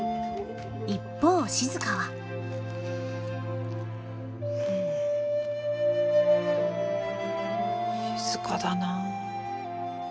一方静は静かだな。